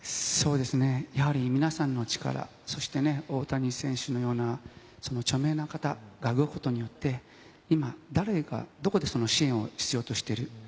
やはり皆さんの力、そして大谷選手のような著名な方によって誰がどこで支援を必要としているのか？